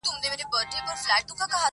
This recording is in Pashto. ما وې چې کاڼى مې په سر راورېدل وختونه